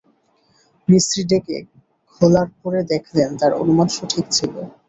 মিস্ত্রি ডেকে খোলার পরে দেখলেন তাঁর অনুমান সঠিক ছিল।